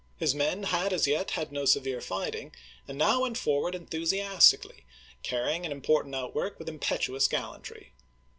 His men had as yet had no severe fighting, and now went forward enthusias tically, carrying an important outwork with im petuous gallantry.